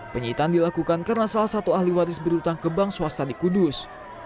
penyihitan dilakukan karena salah satu ahli waris berutang ke bank swasta di kudus